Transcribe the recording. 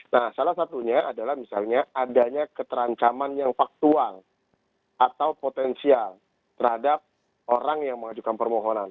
nah salah satunya adalah misalnya adanya keterancaman yang faktual atau potensial terhadap orang yang mengajukan permohonan